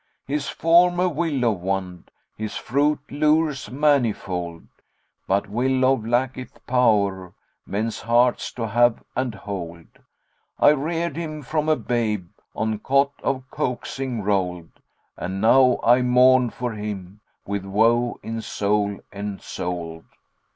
His form a willow wand, * His fruit, lures manifold; But willow lacketh power * Men's hearts to have and hold. I reared him from a babe * On cot of coaxing roll'd; And now I mourn for him * With woe in soul ensoul'd."